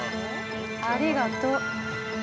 ありがとう。